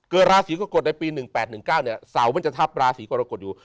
เกิดลาศรีกฎศัลมันจะทัพลาศรีกรกฎอยู่